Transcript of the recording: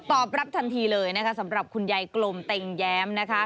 ตอบรับทันทีเลยนะคะสำหรับคุณยายกลมเต็งแย้มนะคะ